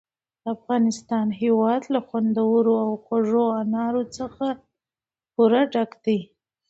د افغانستان هېواد له خوندورو او خوږو انارو څخه پوره ډک دی.